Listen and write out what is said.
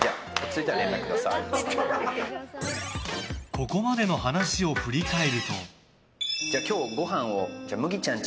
ここまでの話を振り返ると。